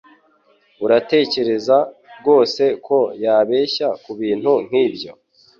Uratekereza rwose ko yabeshya kubintu nkibyo?